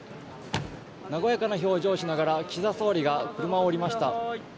和やかな表情をしながら岸田総理が車を降りました。